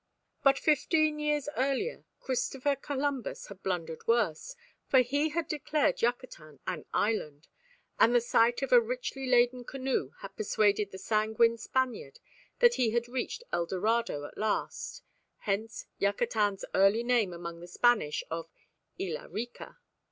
But fifteen years earlier Christopher Columbus had blundered worse, for he had declared Yucatan an island, and the sight of a richly laden canoe had persuaded the sanguine Spaniard that he had reached Eldorado at last hence Yucatan's early name among the Spanish of "Isla Rica."